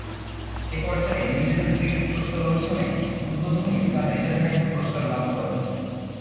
এ পর্যায়ে New Zealand cricket পুরস্কার অনুষ্ঠানে উদ্বোধনী স্যার রিচার্ড হ্যাডলি পুরস্কার লাভ করেন।